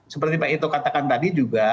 seperti pak ito katakan tadi juga